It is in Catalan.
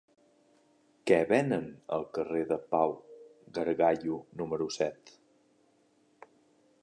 Què venen al carrer de Pau Gargallo número set?